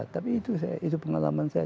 tapi itu saya itu pengalaman saya